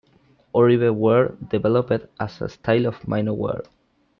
Oribe ware developed as a style of Mino ware.